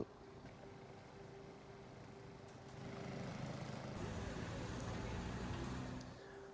kondisi ini berlaku dalam beberapa perjalanan